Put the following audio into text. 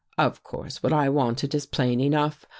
Of course what I wanted Is plain enough.